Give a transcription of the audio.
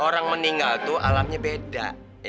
orang meninggal itu alamnya beda